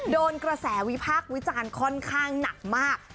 โดนกระแสวิพากษ์วิจารณ์ค่อนข้างหนักมาก